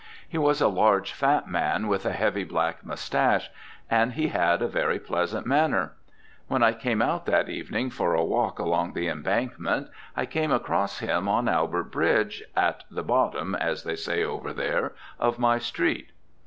He was a large, fat man, with a heavy black moustache; and he had a very pleasant manner. When I came out that evening for a walk along the Embankment I came across him on Albert Bridge, at the "bottom," as they say over there, of my street.